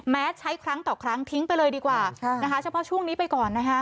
ใช้ครั้งต่อครั้งทิ้งไปเลยดีกว่านะคะเฉพาะช่วงนี้ไปก่อนนะคะ